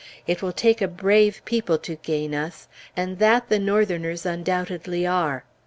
It will take a brave people to gain us, and that the Northerners undoubtedly are.